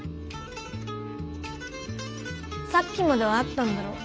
さっきまではあったんだろう？